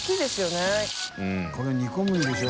海煮込むんでしょ？